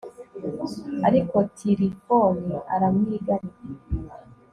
ariko tirifoni aramwigarika